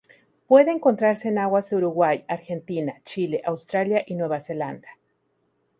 Puede encontrarse en aguas de Uruguay, Argentina, Chile, Australia y Nueva Zelanda.